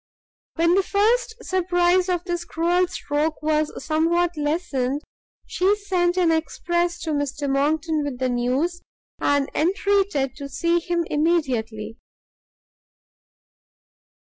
When the first surprize of this cruel stroke was somewhat lessened, she sent an express to Mr Monckton with the news, and entreated to see him immediately.